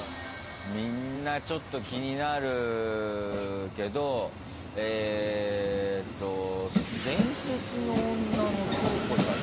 みんなちょっと気になるけどえと「伝説の女」のきょうこさん。